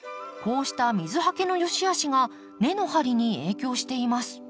こうした水はけのよしあしが根の張りに影響しています。